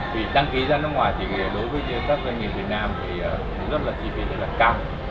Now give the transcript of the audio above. vì đăng ký ra nước ngoài thì đối với các doanh nghiệp việt nam thì rất là chi phí rất là cao